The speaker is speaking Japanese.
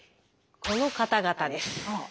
この方々です。